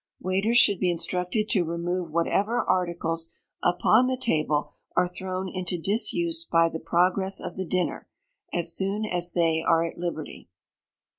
Waiters should be instructed to remove whatever articles upon the table are thrown into disuse by the progress of the dinner, as soon as they are at liberty.